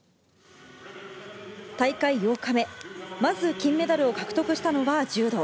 大会８日目、まず、金メダルを獲得したのは柔道。